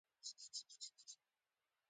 اروپا له اړخه کاملا متفاوته وه.